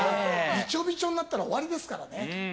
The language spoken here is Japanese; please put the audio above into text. ビチョビチョになったら終わりですからね。